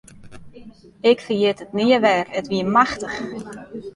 Ik ferjit it nea wer, it wie machtich.